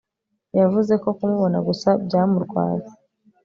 yavuze ko kumubona gusa byamurwaye